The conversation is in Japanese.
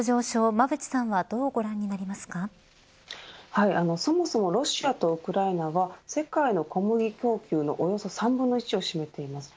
馬渕さんはそもそもロシアとウクライナは世界の小麦供給のおよそ３分の１を占めています。